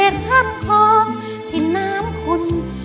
ที่น้ำคุณ